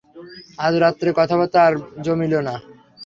আজ রাত্রে কথাবার্তা আর জমিল না।